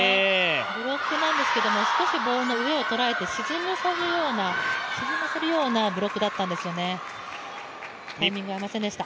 ブロックなんですけど、少しボールの上を捉えて沈ませるようなブロックだったんですよね、タイミング合いませんでした。